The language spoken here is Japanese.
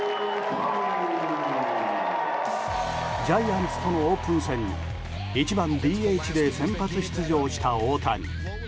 ジャイアンツとのオープン戦に１番ＤＨで先発出場した大谷。